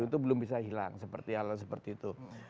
itu belum bisa hilang seperti hal hal seperti itu